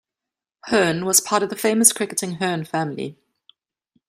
Hearne was part of the famous cricketing Hearne family.